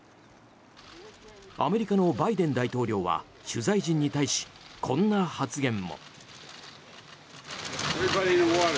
アメリカのバイデン大統領は取材陣に対し、こんな発言も。